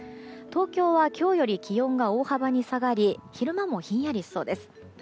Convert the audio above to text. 東京は今日より気温が大幅に下がり昼間もひんやりしそうです。